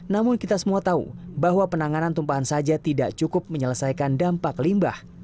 namun kita semua tahu bahwa penanganan tumpahan saja tidak cukup menyelesaikan dampak limbah